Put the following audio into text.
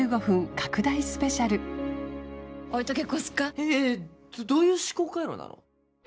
えええっどういう思考回路なの？